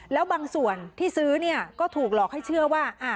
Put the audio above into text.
แล้วบางส่วนที่ซื้อเนี่ยก็ถูกหลอกให้เชื่อว่า